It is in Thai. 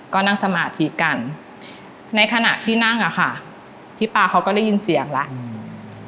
ก็นั่งสมาธิกันในขณะที่นั่งอ่ะค่ะพี่ป๊าเขาก็ได้ยินเสียงแล้วอืม